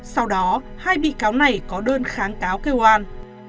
sau đó hai bị cáo này có đơn kháng cáo kêu an